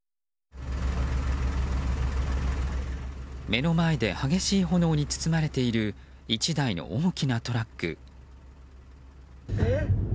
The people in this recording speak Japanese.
目の前で激しい炎に包まれている１台の大きなトラック。